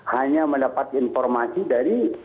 hanya mendapat informasi dari